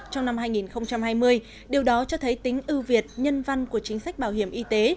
trong năm hai nghìn hai mươi điều đó cho thấy tính ưu việt nhân văn của chính sách bảo hiểm y tế